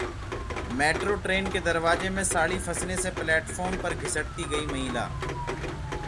metro train के दरवाजे में साड़ी फंसने से प्लेटफार्म पर घिसटती गई महिला